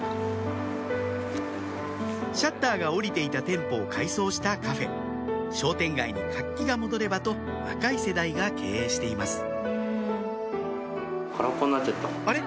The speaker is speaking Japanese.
シャッターが下りていた店舗を改装したカフェ商店街に活気が戻ればと若い世代が経営していますあれ？